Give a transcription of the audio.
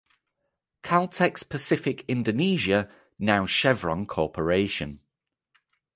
Caltex Pacific Indonesia now Chevron Corporation.